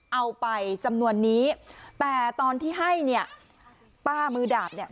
เอาไปจำนวนนี้แต่ตอนที่ให้เนี่ยป้ามือดาบเนี่ย